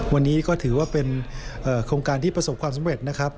วันนี้ก็ถือว่าเป็นโครงการที่ประสบความสำเร็จนะครับ